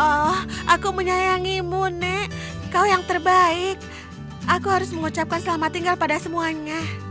oh aku menyayangimu nek kau yang terbaik aku harus mengucapkan selamat tinggal pada semuanya